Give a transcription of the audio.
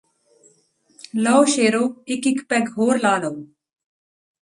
ਲਉ ਸ਼ੇਰੋ ਇਕ ਇਕ ਪੈੱਗ ਹੋਰ ਲਾ ਲਉ